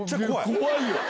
怖いよ。